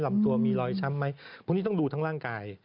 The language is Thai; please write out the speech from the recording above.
ลำตัวมีรอยช้ำไหมพรุ่งนี้ต้องดูทั้งร่างกาย